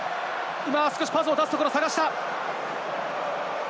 今は少し、パスを出すところを探した。